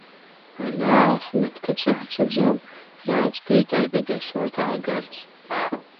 Ҳанаах, нап ҭацәы ҳцаӡом, иааӡбеит аҩбатәи асорҭ аагарц.